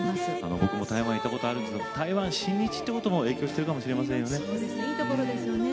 僕も台湾に行ったことがありますが台湾、親日というのも影響があるかもしれませんね。